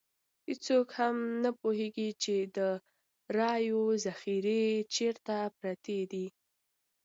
هېڅوک هم نه پوهېږي چې د رایو ذخیرې چېرته پرتې دي.